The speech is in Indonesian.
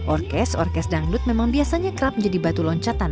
orkes orkes dangdut memang biasanya kerap menjadi batu loncatan